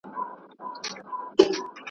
په امریکا او هم په نړۍ کي ځان مشهور کړ .